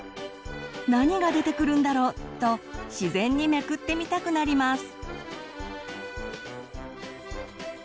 何が出てくるんだろう？と自然にめくってみたくなります。